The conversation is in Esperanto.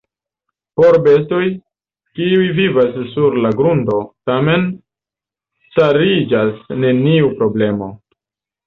Por bestoj, kiuj vivas sur la grundo, tamen stariĝas neniu problemo.